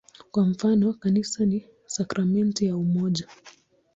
Kwa mfano, "Kanisa ni sakramenti ya umoja".